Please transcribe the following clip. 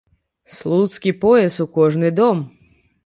Слуцкі пояс у кожны дом!